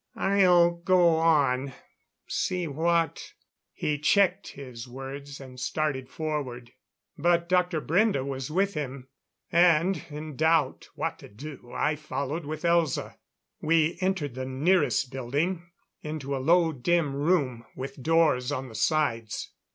"I'll go on see what " He checked his words, and started forward. But Dr. Brende was with him, and in doubt what to do I followed with Elza. We entered the nearest building, into a low, dim room, with doors on the sides.